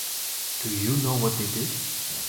Do you know what they did?